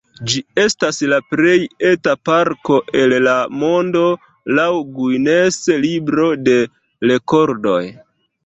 Ĝi estas la plej eta parko el la mondo, laŭ Guinness-libro de rekordoj.